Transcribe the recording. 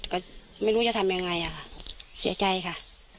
ก็ไม่รู้จะทำยังไงอะค่ะเสียใจค่ะ